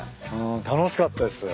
楽しかったです。